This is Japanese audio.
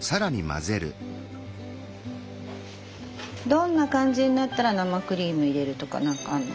どんな感じになったら生クリーム入れるとか何かあるの？